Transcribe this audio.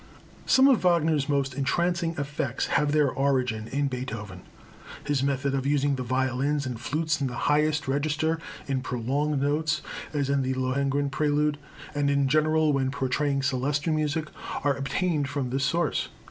Some of Wagner's most entrancing effects have their origin in Beethoven. His method of using the violins and flutes in the highest register in prolonged notes, as in the Lohengrin Prelude, and in general when portraying celestial music, are obtained from this source.